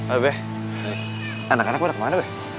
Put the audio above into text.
anak anaknya pada kemana